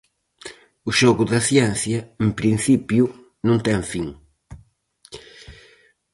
O xogo da ciencia, en principio, non ten fin.